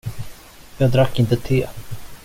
Jag drack inte te.